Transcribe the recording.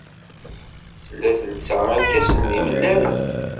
Tella telsa irkasen d imellalen.